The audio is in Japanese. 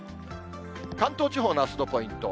関東地方のあすのポイント。